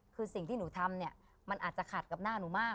คือสิ่งที่หนูทำเนี่ยมันอาจจะขัดกับหน้าหนูมาก